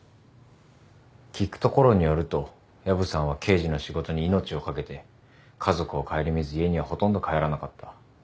聞くところによると薮さんは刑事の仕事に命を懸けて家族を顧みず家にはほとんど帰らなかった。